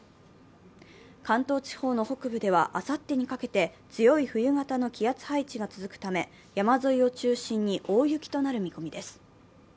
関東地方の北部ではあさってにかけて強い冬型の気圧配置が続くため山沿いを中心に大雪となる見込みです。